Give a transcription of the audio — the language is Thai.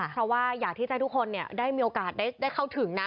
เพราะว่าอยากที่จะให้ทุกคนได้มีโอกาสได้เข้าถึงนะ